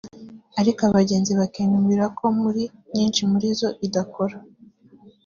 ariko abagenzi bakinubira ko muri nyinshi muri zo idakora